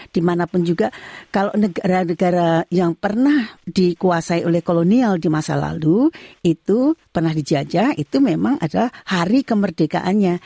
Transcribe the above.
dimanapun juga kalau negara negara yang pernah dikuasai oleh kolonial di masa lalu itu pernah dijajah itu memang adalah hari kemerdekaannya